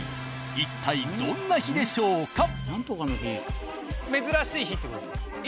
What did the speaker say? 一体どんな日でしょうか？